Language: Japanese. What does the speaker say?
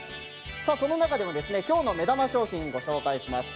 その中でも今日の目玉商品ご紹介します。